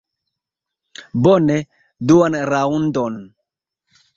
Bone, duan raŭndon!